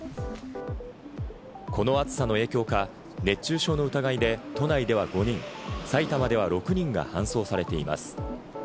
この暑さの影響か、熱中症の疑いで都内では５人、埼玉では６人が搬送されています。